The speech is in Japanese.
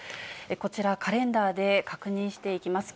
こちら、カレンダーで確認していきます。